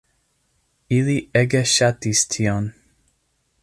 Ili ege ŝatis tion.